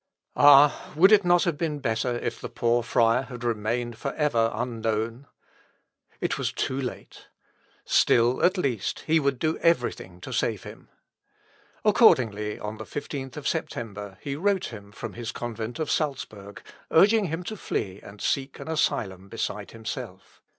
Ah! would it not have been better if the poor friar had remained for ever unknown? It was too late. Still, at least, he would do everything to save him. Accordingly, on the 15th September he wrote him from his convent of Salzburg, urging him to flee and seek an asylum beside himself.